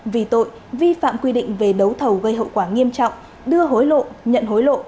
vì tội vi phạm quy định về đấu thầu gây hậu quả nghiêm trọng đưa hối lộ nhận hối lộ